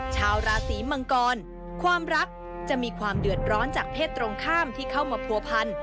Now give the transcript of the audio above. ชาวราศีมังกรความรักจะมีความเดือดร้อนจากเพศตรงข้ามที่เข้ามาผัวพัน